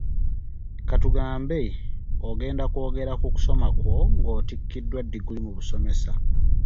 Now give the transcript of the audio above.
Ka tugambe ogenda kwogera ku kusoma kwo nga otikiddwa ddiguli mu busomesa.